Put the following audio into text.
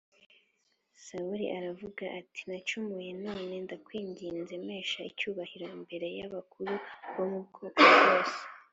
Sawuli aravuga ati nacumuye None ndakwinginze mpesha icyubahiro imbere y abakuru bo mu bwoko bwose